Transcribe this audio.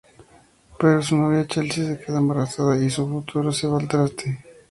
Pero su novia Chelsea se queda embarazada, y su futuro se va al traste.